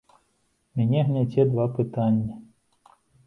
Мяне гняце два пытанні.